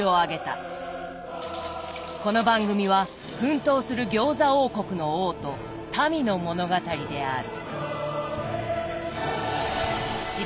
この番組は奮闘する餃子王国の王と民の物語である。